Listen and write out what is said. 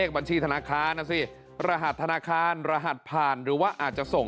บัญชีธนาคารนะสิรหัสธนาคารรหัสผ่านหรือว่าอาจจะส่ง